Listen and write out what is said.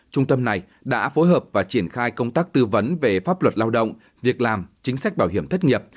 trung tâm này đã phối hợp và triển khai công tác tư vấn về pháp luật lao động việc làm chính sách bảo hiểm thất nghiệp